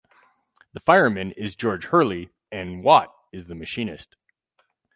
The fireman is George Hurley and Watt is the machinist.